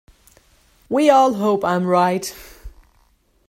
We all hope I am right.